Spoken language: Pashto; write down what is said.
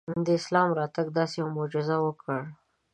د اسلام راتګ داسې یوه معجزه وکړه.